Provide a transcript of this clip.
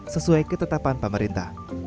sesuai ketetapan pemerintah